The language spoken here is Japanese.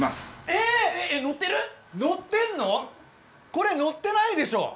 これ載ってないでしょ？